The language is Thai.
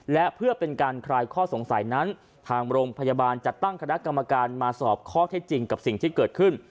และเพื่อเป็นการคลายข้อสงสัยนั้นทางโรงพยาบาลจะตั้งคณะกรรมการมาสอบข้อเท็จจริงกับสิ่งที่เกิดขึ้น